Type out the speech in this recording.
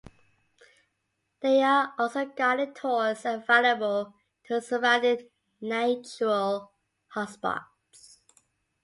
There are also guided tours available to surrounding natural hot spots.